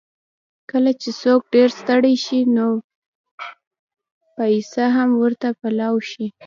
کله چې څوک ډېر ستړی شي، نو پېڅه هم ورته پلاو شي.